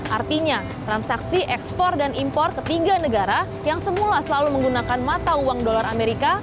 artinya transaksi ekspor dan impor ketiga negara yang semula selalu menggunakan mata uang dolar amerika